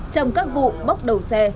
trong các vụ bốc đầu xe